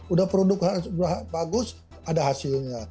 udah produk bagus ada hasilnya